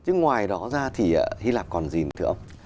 ngoài đó ra thì hy lạp còn gì nữa thưa ông